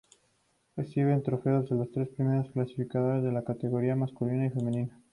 Reciben trofeo los tres primeros clasificados en categoría masculina y femenina.